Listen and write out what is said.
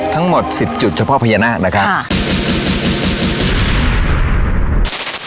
ทั้งหมด๑๐จุดเฉพาะพญานาคนะครับ